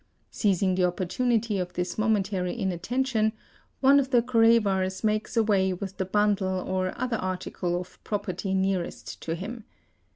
Seizing the oppor tunity of this momentary inattention, one of the Koravars makes away with the bundle or other article of property nearest to him.